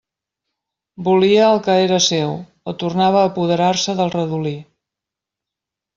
Volia el que era seu, o tornava a apoderar-se del redolí.